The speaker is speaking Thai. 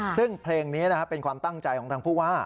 ซึ่งเพลงนี้เป็นความตั้งใจของทางผู้ว่า